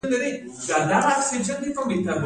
د وریجو خودکفايي ممکنه ده.